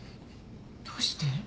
どうして？